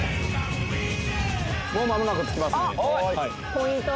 ポイント